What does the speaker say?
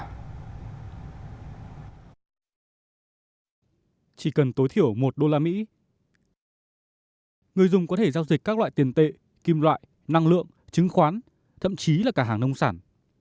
chỉ cần tối thiểu một usd người dùng có thể giao dịch các loại tiền tệ kim loại năng lượng chứng khoán thậm chí là cả hàng nông sản